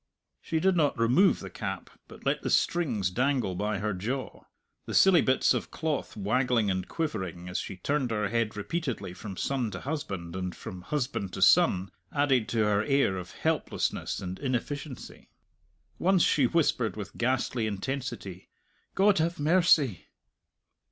She did not remove the cap, but let the strings dangle by her jaw. The silly bits of cloth waggling and quivering, as she turned her head repeatedly from son to husband and from husband to son, added to her air of helplessness and inefficiency. Once she whispered with ghastly intensity, "_God have mercy!